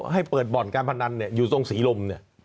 ให้เปิดบ่อนการพนันเนี่ยอยู่ตรงศรีลมเนี่ย